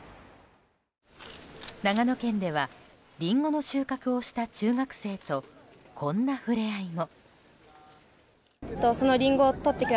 長野県ではリンゴの収穫をした中学生とこんな触れ合いも。